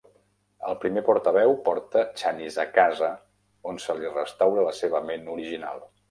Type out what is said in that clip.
El Primer Portaveu porta Channis a "casa", on se li restaura la seva ment "original".